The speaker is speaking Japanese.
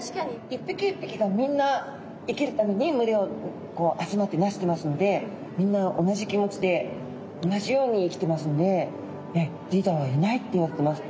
一匹一匹がみんな生きるために群れを集まってなしてますのでみんな同じ気持ちで同じように生きてますのでリーダーはいないっていわれてます。